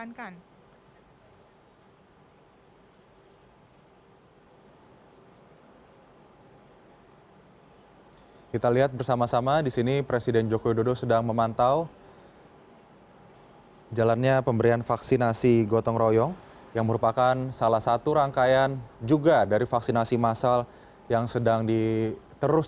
nah tadi sudah sama sama didengar ya bahwa untuk harga vaksin gotong royong sendiri ini sudah diterima